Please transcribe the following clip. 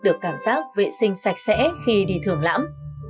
được cảm giác vệ sinh sạch sẽ khi đi thường lãm